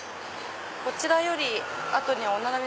「こちらより後には」。